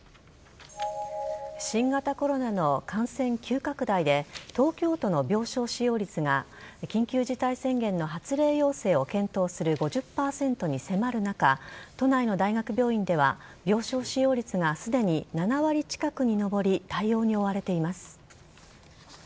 新型コロナの感染急拡大で、東京都の病床使用率が緊急事態宣言の発令要請を検討する５０％に迫る中、都内の大学病院では、病床使用率がすでに７割近くに上り、対応に追われています。